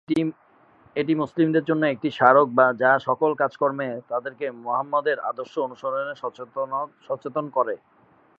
এটি মুসলিমদের জন্য একটি স্মারক যা সকল কাজে-কর্মে তাদেরকে মোহাম্মদের আদর্শ অনুসরণে সচেতন করে।